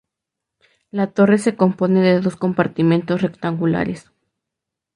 La torre se compone de dos compartimentos rectangulares.